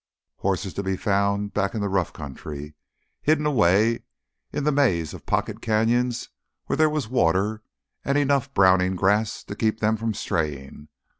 Horses to be found back in the rough country, hidden away in the maze of pocket canyons where there was water and enough browning grass to keep them from straying.